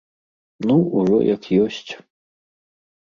Ну, ужо як ёсць.